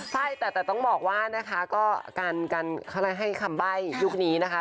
ใช่แต่ต้องบอกว่านะคะก็การให้คำใบ้ยุคนี้นะคะ